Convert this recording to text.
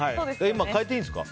変えていいんですか？